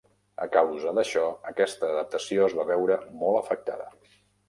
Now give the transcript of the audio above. A causa d'això, aquesta adaptació es va veure molt afectada.